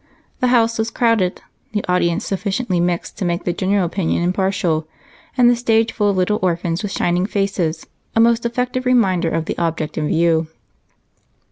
The house was crowded; the audience sufficiently mixed to make the general opinion impartial; and the stage full of little orphans with shining faces, a most effective reminder of the object in view.